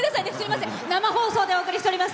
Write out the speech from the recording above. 生放送でお送りしております。